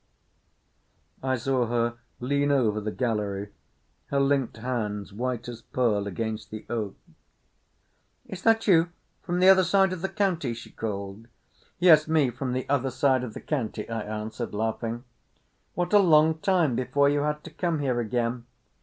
I saw her lean over the gallery, her linked hands white as pearl against the oak. "Is that you—from the other side of the county?" she called. "Yes, me—from the other side of the county," I answered laughing. "What a long time before you had to come here again."